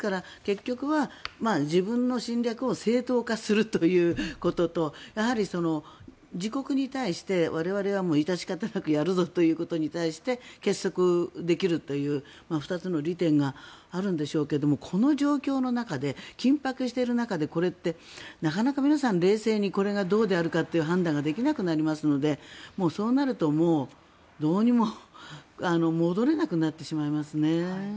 結局は自分の戦略を正当化するということと自国に対して我々は致し方なくやるぞということに対して結束できるという２つの利点があるんでしょうけどこの状況の中で緊迫している中でこれってなかなか皆さん冷静にこれがどうであるかという判断ができなくなりますのでそうなると、もうどうにも戻れなくなってしまいますね。